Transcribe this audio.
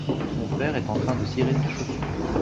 mon père est en train de cirer ses chaussures.